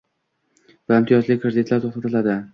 Va imtiyozli kreditlar to'xtatiladi